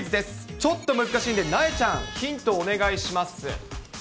ちょっと難しいんで、なえちゃん、ヒントをお願いします。